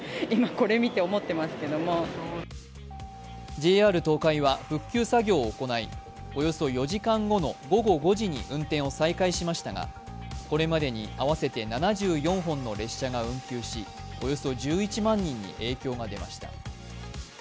ＪＲ東海は復旧作業を行いおよそ４時間後の午後５時に運転を再開しましたが、これまでに合わせて７４本の列車が運休しおよそ１１万人に影響が出ました。